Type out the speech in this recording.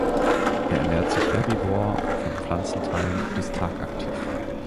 Es ernährt sich herbivor von Pflanzenteilen und ist tagaktiv.